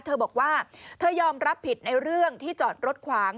เธอบอกว่าเธอยอมรับผิดในเรื่องที่จอดรถขวาง